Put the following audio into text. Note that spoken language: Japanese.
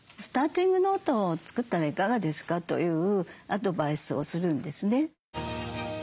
スターティングノートを作ったらいかがですか？というアドバイスをするんですね。